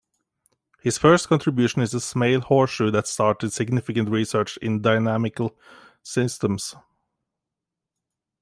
His first contribution is the Smale horseshoe that started significant research in dynamical systems.